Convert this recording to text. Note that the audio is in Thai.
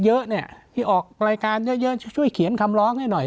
เยอะเนี่ยที่ออกรายการเยอะช่วยเขียนคำร้องให้หน่อย